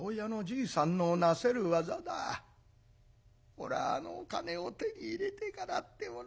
俺はあのお金を手に入れてからってもの